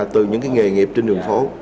từ những nghề nghiệp trên đường phố